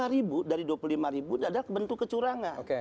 lima ribu dari dua puluh lima ribu ini adalah bentuk kecurangan